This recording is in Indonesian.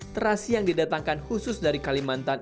terasi yang didatangkan khusus dari kalimantan